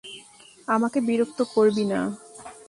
আমাকে বিরক্ত করবি না।